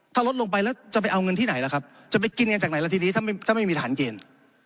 ถ้าลดลงไปแล้วจะไปเอาเงินที่ไหนล่ะครับจะไปกินกันจากไหนล่ะทีนี้ถ้าไม่มีฐานเกณฑ์